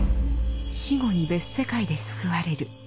「死後に別世界で救われる」